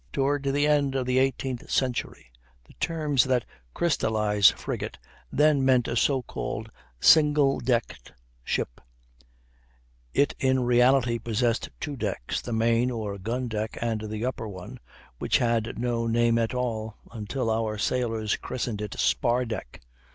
Toward the end of the eighteenth century the terms had crystallized. Frigate then meant a so called single decked ship; it in reality possessed two decks, the main or gun deck, and the upper one, which had no name at all, until our sailors christened it spar deck.